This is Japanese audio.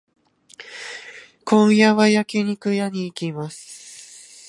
今夜は焼肉屋さんに行きます。